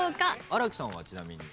新木さんはちなみに？